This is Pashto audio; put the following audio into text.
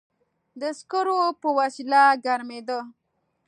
د سکرو په وسیله ګرمېده.